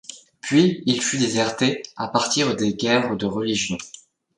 Puis il fut déserté à partir des guerres de religion.